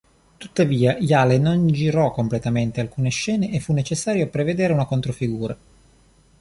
Tuttavia, Yale non girò completamente alcune scene e fu necessario prevedere una controfigura.